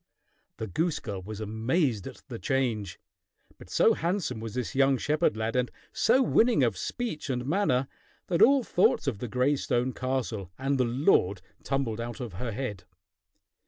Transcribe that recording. The goose girl was amazed at the change. But so handsome was this young shepherd lad, and so winning of speech and manner, that all thoughts of the gray stone castle and the lord tumbled out of her head.